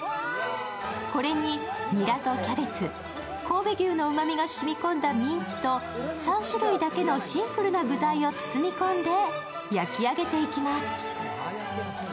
これに、ニラとキャベツ、神戸牛のうまみが染み込んだミンチと３種類だけのシンプルな具材を包み込んで焼き上げていきます。